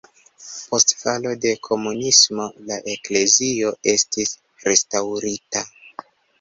Post falo de komunismo la eklezio estis restaŭrita.